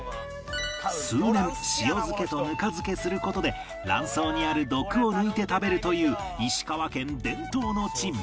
数年塩漬けとぬか漬けする事で卵巣にある毒を抜いて食べるという石川県伝統の珍味